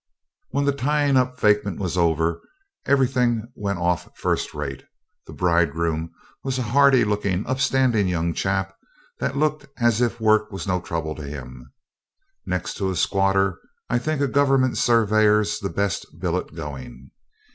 When the tying up fakement was over everything went off first rate. The bridegroom was a hardy looking, upstanding young chap that looked as if work was no trouble to him. Next to a squatter I think a Government surveyor's the best billet going.